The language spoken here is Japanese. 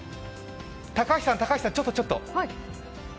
高橋さん、ちょっとちょっと。